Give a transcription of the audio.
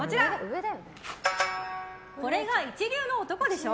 これが一流の男でしょ？